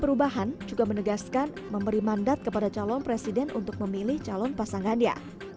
perubahan juga menegaskan memberi mandat kepada calon presiden untuk memilih calon pasangannya